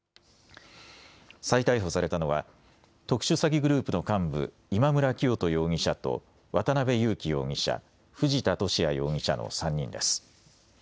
再逮捕されたのは、特殊詐欺グループの幹部、今村磨人容疑者と渡邉優樹容疑者、藤田聖也容疑者の３人です。